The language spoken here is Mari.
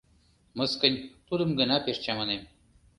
— Мыскынь, тудым гына пеш чаманем.